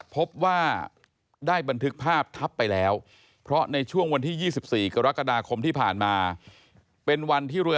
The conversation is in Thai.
พบว่าได้บันทึกภาพทับไปแล้ว